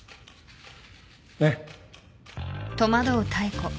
ねっ？